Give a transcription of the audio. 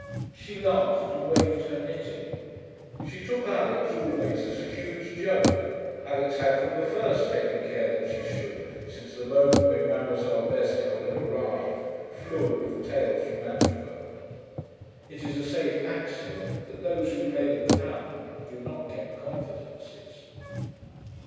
She laughed and waved her knitting. She took Alix always as a huge joke. Alix had from the first taken care that she should, since the moment when Mademoiselle Verstigel had arrived, fluent with tales from Antwerp. It is a safe axiom that those who play the clown do not get confidences.